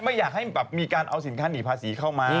ไม่อยากให้แบบมีการเอาสินค้าหนีภาษีเข้ามา